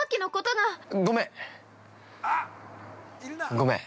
◆ごめん。